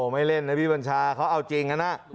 ไม่เล่นอาบิวัญชาเขาเอาจริง